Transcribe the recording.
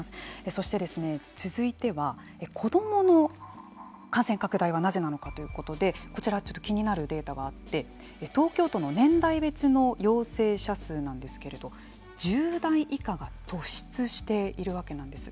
そして、続いては子どもの感染拡大はなぜなのかということでこちらちょっと気になるデータがあって東京都の年代別の陽性者数なんですけれど１０代以下が突出しているわけなんです。